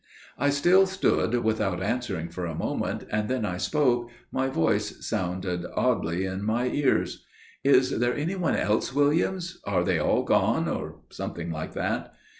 "I still stood without answering for a moment, and then I spoke; my voice sounded oddly in my ears. "'Is there any one else, Williams? Are they all gone?' or something like that.